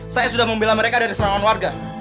saya sudah membela mereka dari serangan warga